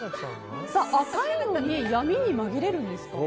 赤いのに闇にまぎれるんですか？